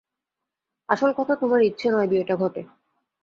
আসল কথা, তোমার ইচ্ছে নয় বিয়েটা ঘটে।